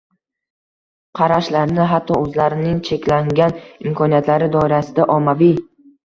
qarashlarini, hatto o‘zlarining cheklangan imkoniyatlari doirasida, ommaviy